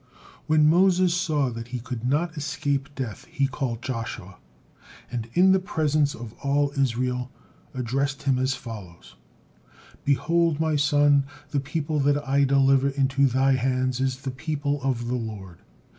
'" When Moses saw that he could not escape death, he called Joshua, and in the presence of all Israel addressed him as follows: "Behold, my son, the people that I deliver into thy hands, is the people of the Lord.